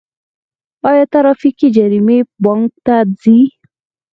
آیا ټرافیکي جریمې بانک ته ځي؟